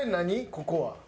ここは。